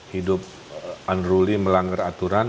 hidup unruly melanggar aturan